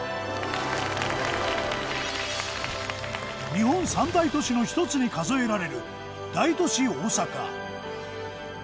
日本三大都市の一つに数えられる大都市大阪。